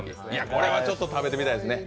これはちょっと食べてみたいですね